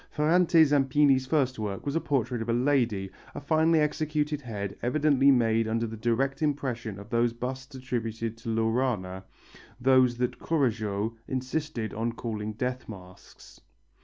Ferrante Zampini's first work was a portrait of a lady, a finely executed head evidently made under the direct impression of those busts attributed to Laurana, those that Courajod insisted upon calling death masks.